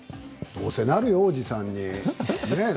どうせなるよ、おじさんに。